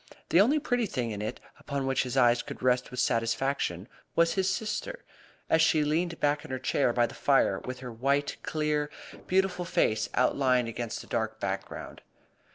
The only pretty thing in it, upon which his eyes could rest with satisfaction, was his sister, as she leaned back in her chair by the fire with her white, clear beautiful face outlined against the dark background.